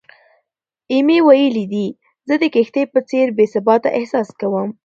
ایمي ویلي، "زه د کښتۍ په څېر بې ثباته احساس کوم."